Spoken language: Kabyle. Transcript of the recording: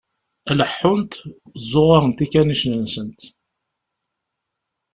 Leḥḥunt, ẓẓuɣuṛent ikanicen-nsent.